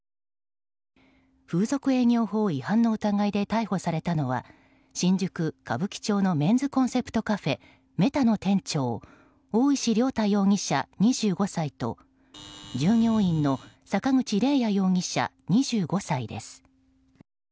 風俗営業法違反の疑いで逮捕されたのは新宿・歌舞伎町のメンズコンセプトカフェＭＥＴＡの店長大石涼太容疑者、２５歳と従業員の坂口怜也容疑者、２５歳です。